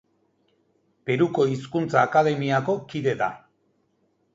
Peruko Hizkuntza Akademiako kide da.